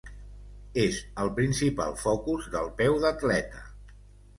És el principal focus del peu d'atleta.